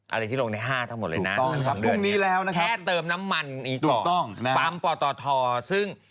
อะไรที่ลงใน๕ทั้งหมดเลยนะ๒เดือนเนี่ยแค่เติมน้ำมันอีกต่อปั๊มปทซึ่ง